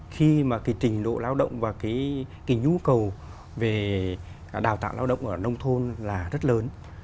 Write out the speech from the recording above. khi mà cái trình độ lao động và cái nhu cầu về đào tạo lao động ở nông thôn là rất lớn